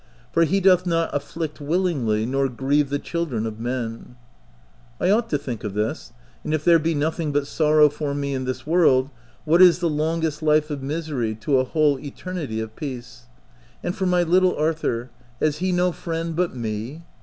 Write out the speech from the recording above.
For he doth not afflict willingly nor grieve the children of men/' I ought to think of this ; and if there be nothing but sorrow for me in this world, what is the longest life of misery to a whole eternity of peace ? And for my little Arthur — has he no friend but me